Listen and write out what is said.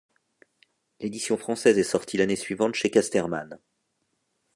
L'édition française est sortie l'année suivante chez Casterman.